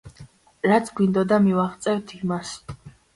რაც გვინდოდა მივაღწევთ იმას.